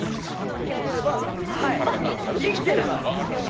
生きてれば体が軽くなると。